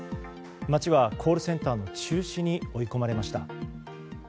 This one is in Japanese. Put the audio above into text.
町はコールセンターの中止に追い込まれました。